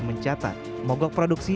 mencatat mogok produksi